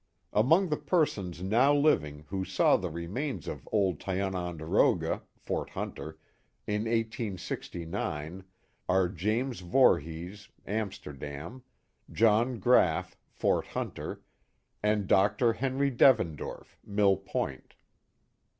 Among the persons now living who saw the remains of old Tiononderoga (Fort Hunter) in 1869, are James Voorhees, Amsterdam; John Graff, Fort Hunter; and Dr. Henry Dev endorf, Mill Point.